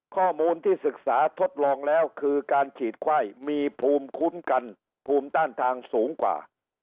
ข้อมูลที่ศึกษาทดลองแล้วคือการฉีดไข้มีภูมิคุ้มกันภูมิต้านทางสูงกว่า